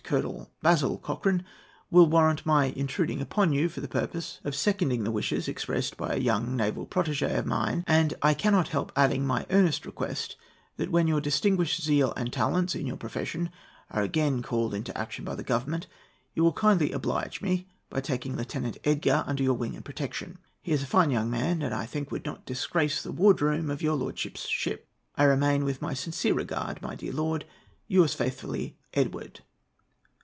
Colonel Basil Cochrane, will warrant my intruding upon you for the purpose of seconding the wishes expressed by a young naval protégé of mine, and I cannot help adding my earnest request that when your distinguished zeal and talents in your profession are again called into action by Government, you will kindly oblige me by taking Lieutenant Edgar under your wing and protection; he is a fine young man, and I think would not disgrace the wardroom of your lordship's ship. I remain, with my sincere regard, my dear lord, yours faithfully, EDWARD.